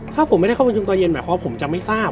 ถ้าผมไม่ได้เข้าประชุมตอนเย็นหมายความว่าผมจะไม่ทราบ